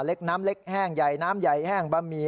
เล็กน้ำเล็กแห้งใหญ่น้ำใหญ่แห้งบะหมี่